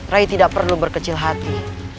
rai tidak perlu berkecil hati